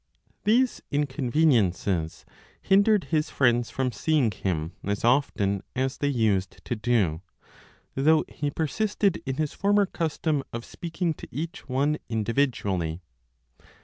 These inconveniences hindered his friends from seeing him as often as they used to do, though he persisted in his former custom of speaking to each one individually.